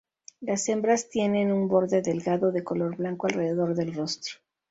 Las hembras tienen un borde delgado de color blanco alrededor del rostro.